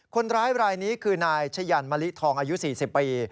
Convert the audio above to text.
คนร้ายรายนี้คือนายชะยันมะลิทองอายุ๔๐ปี